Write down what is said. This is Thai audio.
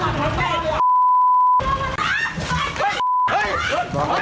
นี่นี่นี่นี่นี่นี่นี่นี่